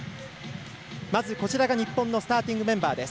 まず、日本のスターティングメンバーです。